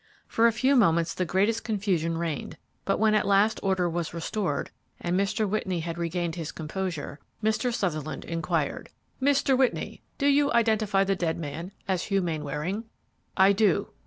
For a few moments the greatest confusion reigned, but when at last order was restored and Mr. Whitney had regained his composure, Mr. Sutherland inquired, "Mr. Whitney, do you identify the dead man as Hugh Mainwaring?" "I do."